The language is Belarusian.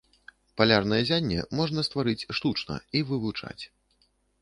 Палярнае ззянне можна стварыць штучна і вывучаць.